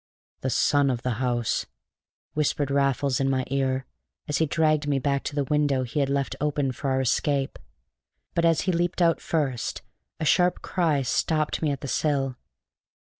"The son of the house!" whispered Raffles in my ear, as he dragged me back to the window he had left open for our escape. But as he leaped out first a sharp cry stopped me at the sill.